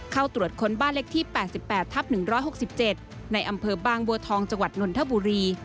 เข้าตรวจค้นบ้านเล็กที่๘๘ทับ๑๖๗ในอำเภอบางบัวทองจังหวัดนนทบุรี